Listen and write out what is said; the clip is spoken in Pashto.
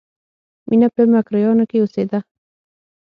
مینه په مکروریانو کې اوسېده